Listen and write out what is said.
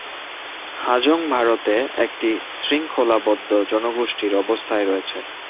হাজং ভারতে একটি শৃঙ্খলাবদ্ধ জনগোষ্ঠীর অবস্থায় রয়েছে।